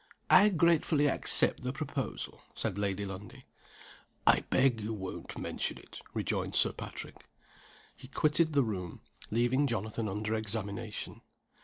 "I gratefully accept the proposal," said Lady Lundie. "I beg you won't mention it," rejoined Sir Patrick. He quitted the room, leaving Jonathan under examination.